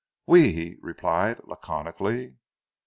"Oui!" he replied laconically.